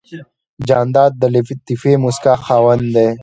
جانداد د لطیفې موسکا خاوند دی.